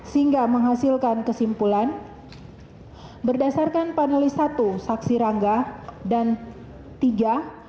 sehingga menghasilkan kesimpulan berdasarkan panelis satu saksi rangga dan tiga